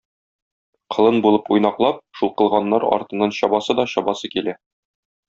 Колын булып уйнаклап, шул кылганнар артыннан чабасы да чабасы килә.